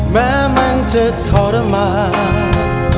แม้มันจะทรมาน